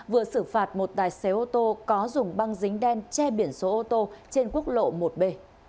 vừa xử phạt một tài xế ô tô có dùng băng dính đen che biển số ô tô trên quốc lộ một b